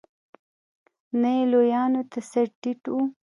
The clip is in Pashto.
نه یې لویانو ته سر ټيټ و.